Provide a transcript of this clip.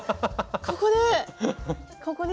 ここで！